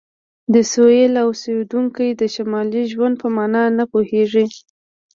د سویل اوسیدونکي د شمالي ژوند په معنی نه پوهیږي